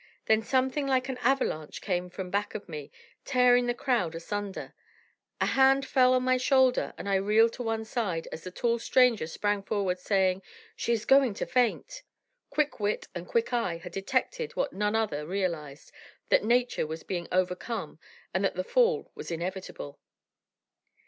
Then something like an avalanche came from back of me, tearing the crowd asunder. A hand fell upon my shoulder, and I reeled to one side as the tall stranger sprang forward, saying: "She is going to faint." Quick wit and quick eye had detected what none other realized, that nature was being overcome and that the fall was inevitable.